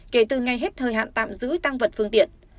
kể từ ngày hết thời hạn tạm giữ tăng vật phương tiện